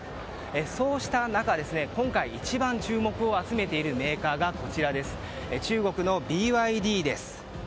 そうした中今回一番注目を集めているメーカーが、中国のＢＹＤです。